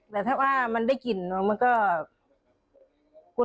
แต่ถ้าว่ามันได้กลิ่นเนอะมันก็